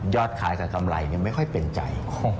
ขายกับกำไรไม่ค่อยเป็นใจ